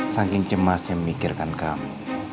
saking cemasnya memikirkan kamu